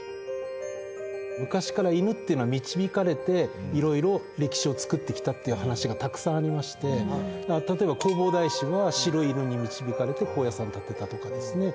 昔から犬っていうのに導かれて色々歴史を作ってきたっていう話がたくさんありまして例えば弘法大師は白い犬に導かれて高野山を建てたとかですね。